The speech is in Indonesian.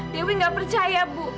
dewi gak percaya bu